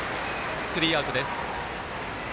スリーアウトです。